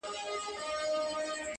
o سترگو کي باڼه له ياده وباسم؛